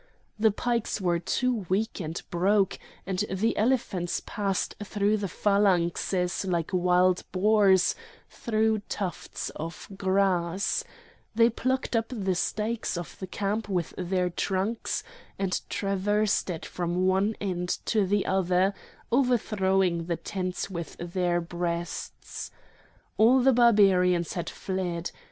The pikes were too weak and broke, and the elephants passed through the phalanxes like wild boars through tufts of grass; they plucked up the stakes of the camp with their trunks, and traversed it from one end to the other, overthrowing the tents with their breasts. All the Barbarians had fled.